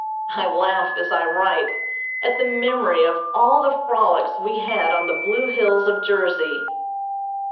I laugh, as I write, at the memory of all the frolics we had on the blue hills of Jersey.